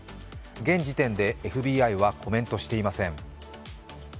現時点でＦＢＩはコメントしていません。